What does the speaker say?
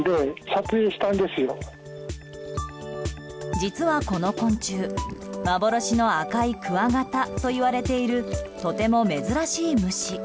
実は、この昆虫幻の赤いクワガタと言われているとても珍しい虫。